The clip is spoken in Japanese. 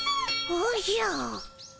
おじゃ。